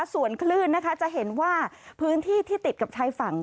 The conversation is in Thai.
ส่วนคลื่นนะคะจะเห็นว่าพื้นที่ที่ติดกับชายฝั่ง